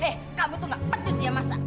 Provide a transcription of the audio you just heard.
eh kamu itu nggak pecus ya masa